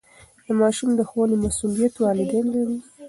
د ماشوم د ښوونې مسئولیت والدین لري.